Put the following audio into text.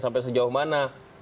sampai sejauh mana